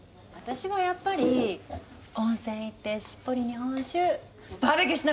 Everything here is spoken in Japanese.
温泉行ってしっぽり日本酒バーベキューしな。